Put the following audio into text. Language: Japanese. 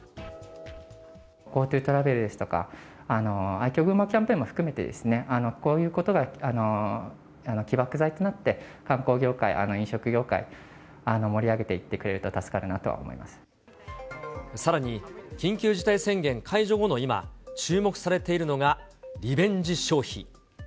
ＧｏＴｏトラベルですとか、愛郷ぐんまキャンペーンも含めて、こういうことが起爆剤となって、観光業界、飲食業界、盛り上げていってくれると助かるなと思いまさらに緊急事態宣言解除後の今、注目されているのがリベンジ消費。